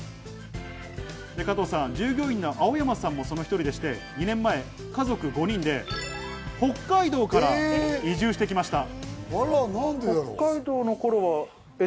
従業員の青山さんもその１人でして、２年前、家族５人で北海道から移住してきました。